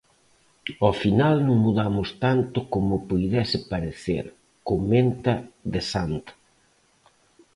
"Ao final non mudamos tanto como puidese parecer", comenta de Sant.